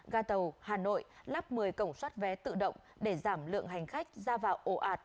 ga tàu hà nội lắp một mươi cổng xót vé tự động để giảm lượng hành khách ra vào ổ ạt